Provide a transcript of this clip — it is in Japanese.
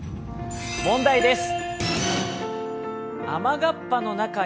問題です。